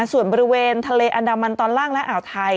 ส่วนบริเวณทะเลอันดามันตอนล่างและอ่าวไทย